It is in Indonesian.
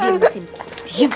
diam disini diam